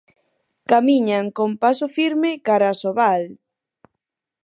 Camiñan con paso firme cara a Asobal.